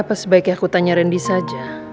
apa sebaiknya aku tanya randy saja